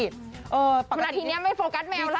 เมื่อตอนนี้ไม่โฟกัสแมวล่ะ